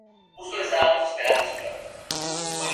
Dónde está Kosovo?